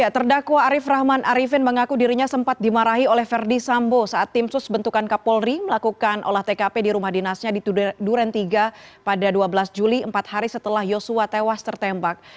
terdakwa arief rahman arifin mengaku dirinya sempat dimarahi oleh verdi sambo saat tim sus bentukan kapolri melakukan olah tkp di rumah dinasnya di duren tiga pada dua belas juli empat hari setelah yosua tewas tertembak